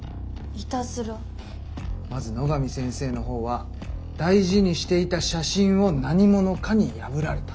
まず野上先生の方は大事にしていた写真を何者かに破られた。